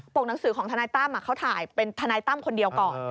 กหนังสือของทนายตั้มเขาถ่ายเป็นทนายตั้มคนเดียวก่อน